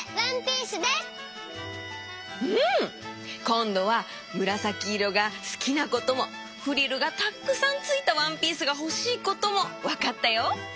こんどはむらさきいろがすきなこともフリルがたっくさんついたワンピースがほしいこともわかったよ。